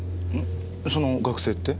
その学生って？